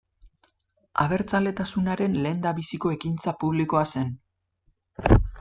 Abertzaletasunaren lehendabiziko ekintza publikoa zen.